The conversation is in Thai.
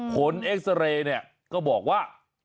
เอ็กซาเรย์เนี่ยก็บอกว่า